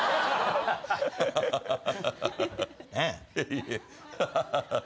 いえハハハ！